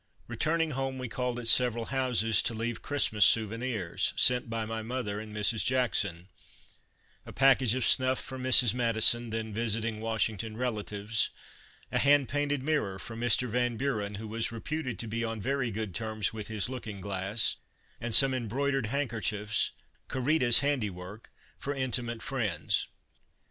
Returning home we called at several houses to leave Christmas souvenirs sent by my mother and Mrs. Jackson: a package of snuff for Mrs. Madison, Christmas Under Three Flags then visiting Washington relatives ; a hand painted mirror for Mr. Van Buren, who was reputed to be on very good terms with his looking glass, and some embroidered handkerchiefs (Carita's handiwork) for intimate friends.